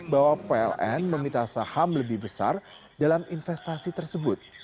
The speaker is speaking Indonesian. bahwa pln meminta saham lebih besar dalam investasi tersebut